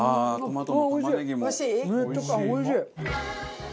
おいしい？